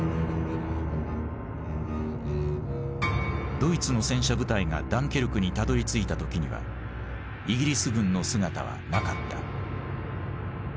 ドイツの戦車部隊がダンケルクにたどりついた時にはイギリス軍の姿はなかった。